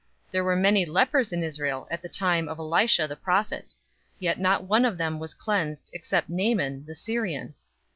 004:027 There were many lepers in Israel in the time of Elisha the prophet, yet not one of them was cleansed, except Naaman, the Syrian."